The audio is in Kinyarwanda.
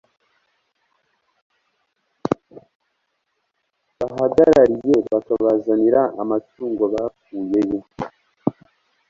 bahagarariye bakabazanira amatungo bakuyeyo